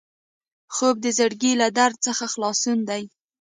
خوب د زړګي له درد څخه خلاصون دی